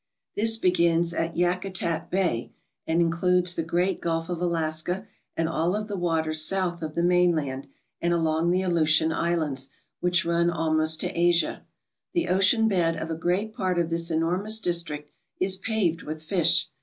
This begins at Yakutat Bay and includes the great Gulf of Alaska and all of the waters south of the mainland and along the Aleutian Islands, which run al most to Asia. The ocean bed of a great part of this enormous district is paved with fish.